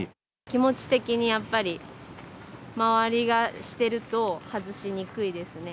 気持ち的にやっぱり、周りがしてると、外しにくいですね。